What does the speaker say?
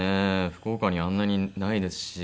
福岡にあんなにないですし。